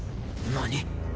何？